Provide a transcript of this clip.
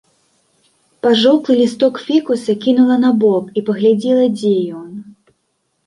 Пажоўклы лісток фікуса кінула набок і паглядзела, дзе ён.